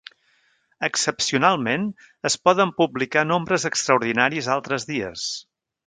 Excepcionalment, es poden publicar nombres extraordinaris altres dies.